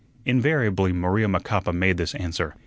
Invariably Maria Macapa made this answer.